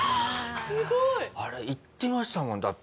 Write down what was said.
すごい！あれ言ってましたもん。